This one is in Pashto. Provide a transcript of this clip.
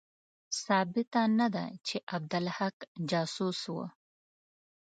ثابته نه ده چې عبدالحق جاسوس وو.